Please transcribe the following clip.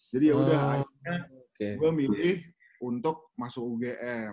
jadi ya udah akhirnya gue milih untuk masuk ugm